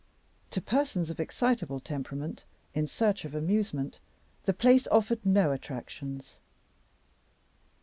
To persons of excitable temperament, in search of amusement, the place offered no attractions.